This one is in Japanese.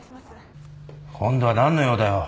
今度は何の用だよ？